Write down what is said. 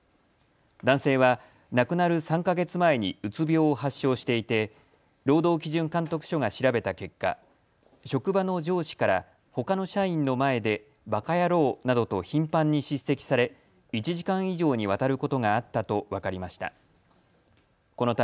男性は亡くなる３か月前にうつ病を発症していて労働基準監督署が調べた結果、職場の上司から、ほかの社員の前で、ばかやろうなどと頻繁に叱責され１時間以上にわたることがあったと分かりました。